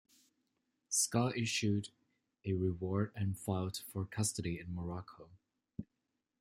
Skah issued a reward and filed for custody in Morocco.